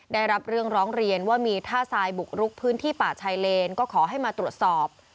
ได้รับเรื่องร้องเรียนว่ามีท่าทรายบุกรุกพื้นที่ป่าชายเลนก็ขอให้มาตรวจสอบ